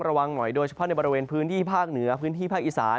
ระวังหน่อยโดยเฉพาะในบริเวณพื้นที่ภาคเหนือพื้นที่ภาคอีสาน